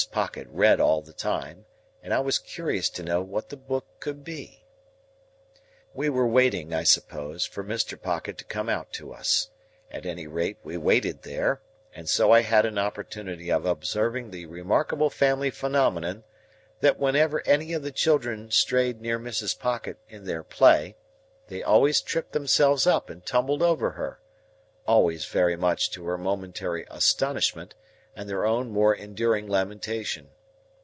Pocket read all the time, and I was curious to know what the book could be. We were waiting, I supposed, for Mr. Pocket to come out to us; at any rate we waited there, and so I had an opportunity of observing the remarkable family phenomenon that whenever any of the children strayed near Mrs. Pocket in their play, they always tripped themselves up and tumbled over her,—always very much to her momentary astonishment, and their own more enduring lamentation.